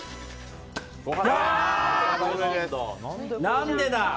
何でだ？